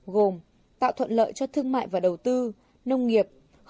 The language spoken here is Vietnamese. gồm tạo thuận lợi cho thương mại và đầu tư nông nghiệp